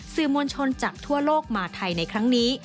สื่อมวลชนจากทั่วโลกมาไทยในครั้งนี้